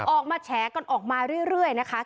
ออกมาแฉกันออกมาเรื่อยนะคะ